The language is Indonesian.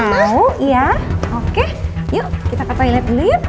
mau ya oke yuk kita ke toilet dulu yuk